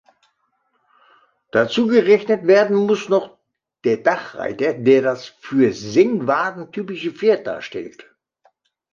Dazu gerechnet werden muss noch der Dachreiter, der das für Sengwarden typische Pferd darstellt.